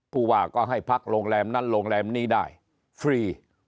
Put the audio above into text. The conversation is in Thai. ผู้ว่าก็ให้พักโรงแรมนั้นโรงแรมนี้ได้ฟรี